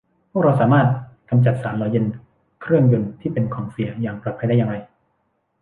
พวกเราสามารถกำจัดสารหล่อเย็นเครื่องยนต์ที่เป็นของเสียอย่างปลอดภัยได้อย่างไร